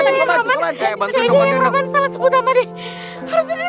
hijabannya benjol loccoman